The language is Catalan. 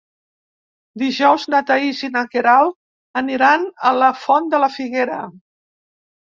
Dijous na Thaís i na Queralt aniran a la Font de la Figuera.